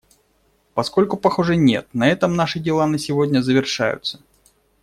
Поскольку, похоже, нет, на этом наши дела на сегодня завершаются.